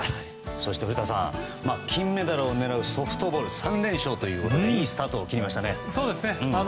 そして古田さん金メダルを狙うソフトボール３連勝ということでいいスタートを切りましたね。